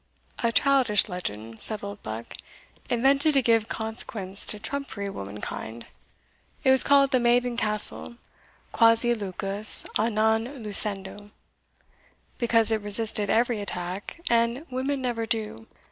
"A childish legend," said Oldbuck, "invented to give consequence to trumpery womankind. It was called the Maiden Castle, quasi lucus a non lucendo, because it resisted every attack, and women never do."